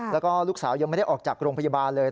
แล้วก็ลูกสาวยังไม่ได้ออกจากโรงพยาบาลเลย